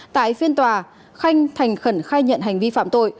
tại phiên tòa khanh thành khẩn khai nhận hành vi phạm tội